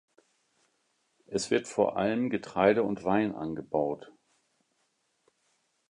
Es wird vor allem Getreide und Wein angebaut.